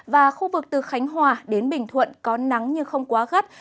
và khu vực từ khánh hòa đến bình thuận có nắng nhưng không quá gắt